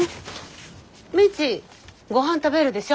未知ごはん食べるでしょ？